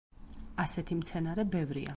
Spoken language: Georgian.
ასეთი მცენარე ბევრია.